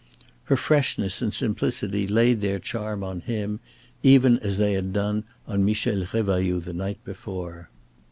Her freshness and simplicity laid their charm on him, even as they had done on Michel Revailloud the night before.